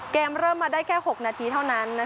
เริ่มมาได้แค่๖นาทีเท่านั้น